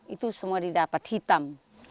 itu semua didapat hitam